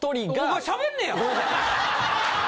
お前しゃべんねや！？